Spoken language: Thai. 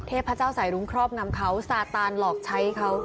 เทพเจ้าสายรุ้งครอบงำเขาสาตานหลอกใช้เขา